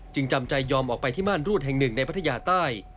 จำใจยอมออกไปที่ม่านรูดแห่งหนึ่งในพัทยาใต้